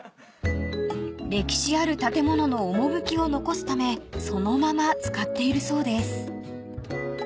［歴史ある建物の趣を残すためそのまま使っているそうです］